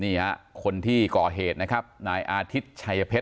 นี่ฮะคนที่ก่อเหตุนะครับนายอาทิตย์ชัยเพชร